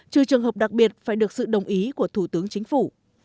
trừ trường hợp đặc biệt phải được sự đồng ý của thủ tướng chính phủ